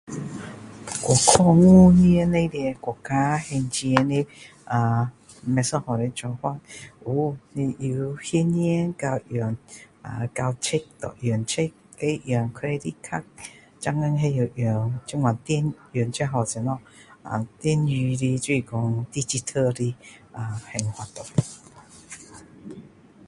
过去5年里面。国家还钱的，啊？不一样的做法。有，你用现钱到用 Cheque，Cheque，再用 credit card。现在开始用这样电。用这叫什么？还电水的就是说，digital 的还法了。